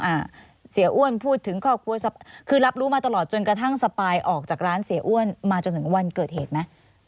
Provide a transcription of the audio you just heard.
อ่าเสียอ้วนพูดถึงครอบครัวคือรับรู้มาตลอดจนกระทั่งสปายออกจากร้านเสียอ้วนมาจนถึงวันเกิดเหตุไหม